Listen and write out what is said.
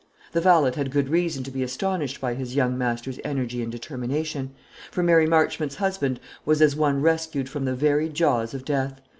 The valet had good reason to be astonished by his young master's energy and determination; for Mary Marchmont's husband was as one rescued from the very jaws of death.